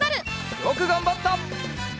よくがんばった！